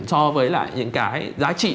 so với lại những cái giá trị